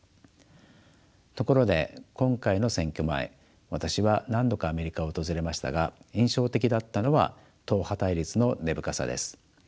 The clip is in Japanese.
ところで今回の選挙前私は何度かアメリカを訪れましたが印象的だったのは党派対立の根深さです。